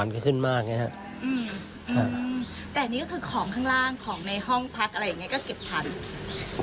แต่นี่ก็คือของข้างล่างของในห้องพักอะไรอย่างไรก็เก็บถัด